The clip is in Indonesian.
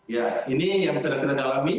ya ini yang sedang kita dalami